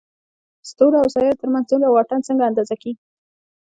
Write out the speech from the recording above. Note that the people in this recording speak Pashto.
ستورو او سيارو تر منځ دومره واټن څنګه اندازه کېږي؟